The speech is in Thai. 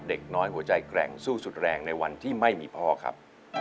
เด็กน้อยหัวใจแกร่งสู้สุดแรงในวันที่ไม่มีพ่อครับ